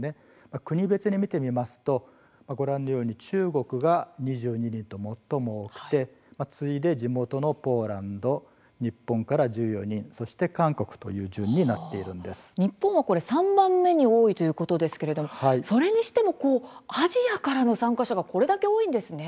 国別で見てみますと中国が２２人と最も多く次いで地元のポーランド日本から１４人、そして韓国日本は３番目に多いということですが、それにしてもアジアからの参加者がこれだけ多いんですね。